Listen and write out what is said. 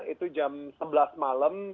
itu jam sebelas malam